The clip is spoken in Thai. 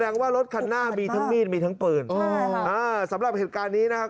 ว่ารถคันหน้ามีทั้งมีดมีทั้งปืนสำหรับเหตุการณ์นี้นะครับ